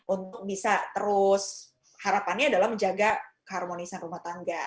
untuk bisa terus harapannya adalah menjaga keharmonisan rumah tangga